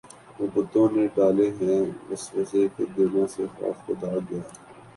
وہ بتوں نے ڈالے ہیں وسوسے کہ دلوں سے خوف خدا گیا